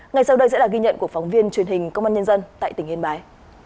ngay sau đây sẽ là ghi nhận của phóng viên truyền hình công an nhân dân tại tỉnh yên bái